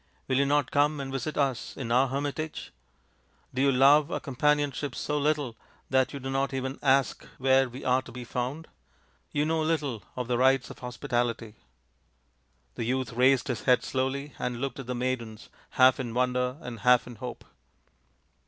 Will you not come and visit THE GREAT DROUGHT 269 us in our hermitage ? Do you love our com panionship so little that you do not even ask where we are to be found ? You know little of the rites of hospitality." The youth raised his head slowly and looked at the maidens, half in wonder and half in hope.